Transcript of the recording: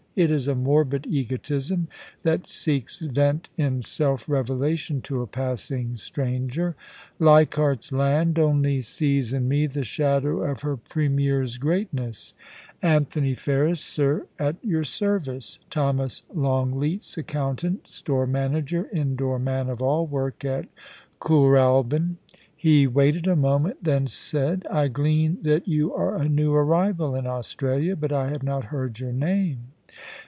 * It is a morbid egotism that seeks vent in self revelation to a passing stranger. Leichardt's I^nd only sees in me the shadow of her Premier's greatness. Anthony 2 i8 FOLIC Y AND PASSION, Ferris, sir, at your service. Thomas Longleat's accountant, store manager, indoor man of all work at Kooralbyn.' He waited a moment, then said :* I glean that you are a new arrival in Australia, but I have not heard your name.